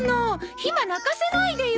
ひま泣かせないでよ。